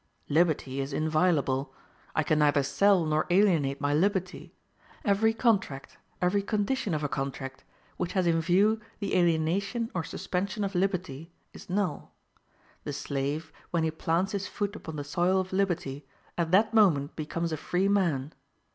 Liberty is inviolable. I can neither sell nor alienate my liberty; every contract, every condition of a contract, which has in view the alienation or suspension of liberty, is null: the slave, when he plants his foot upon the soil of liberty, at that moment becomes a free man.